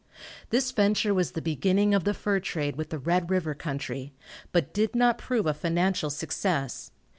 This venture was the beginning of the fur trade with the Red river country, but did not prove a financial success.